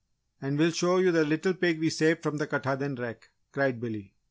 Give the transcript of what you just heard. "And we'll show you the little pig we saved from the Katahdin wreck," cried Billy.